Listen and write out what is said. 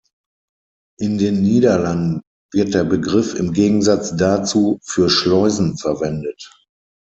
In den Niederlanden wird der Begriff im Gegensatz dazu für Schleusen verwendet.